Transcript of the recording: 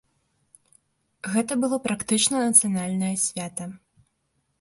Гэта было практычна нацыянальнае свята.